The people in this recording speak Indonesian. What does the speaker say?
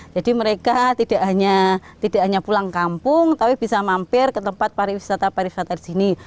jadi mereka tidak hanya pulang kampung tapi bisa mampir ke tempat pariwisata pariwisata di sini